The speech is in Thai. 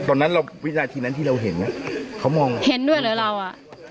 ตอนนั้นเราวินาทีนั้นที่เราเห็นอ่ะเขามองอ่ะเห็นด้วยเหรอเราอ่ะ